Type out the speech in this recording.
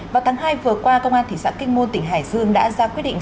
vào tháng hai vừa qua công an thị xã kinh môn tỉnh hải dương đã ra quyết định